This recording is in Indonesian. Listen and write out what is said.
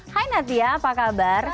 hai natia apa kabar